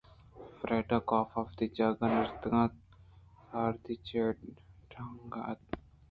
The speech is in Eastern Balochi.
فریڈا ءُکاف وتی جاگہءَ نشتگ اِت اَنتءُ سارتی ءَچے ٹنٹگ ءَ اِت اَنت